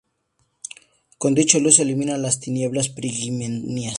Con dicha luz elimina las tinieblas primigenias.